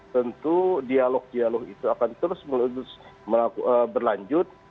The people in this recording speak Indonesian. tentu dialog dialog itu akan terus berlanjut